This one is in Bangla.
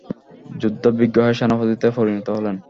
যুদ্ধবিগ্রহের সেনাপতিতে পরিণত হলেন।